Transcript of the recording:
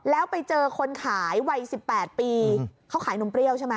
แล้วไปเจอคนขายวัย๑๘ปีเขาขายนมเปรี้ยวใช่ไหม